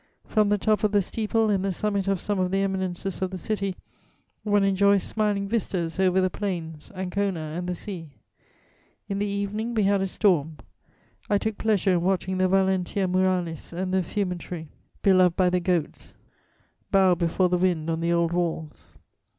From the top of the steeple and the summit of some of the eminences of the city one enjoys smiling vistas over the plains, Ancona and the sea. In the evening we had a storm. I took pleasure in watching the valentia muralis and the fumitory beloved by the goats bow before the wind on the old walls.